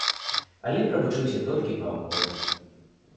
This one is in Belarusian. Але правучыўся толькі паўгода.